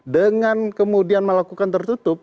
dengan kemudian melakukan tertutup